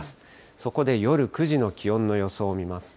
そこで夜９時の気温の予想を見ますと。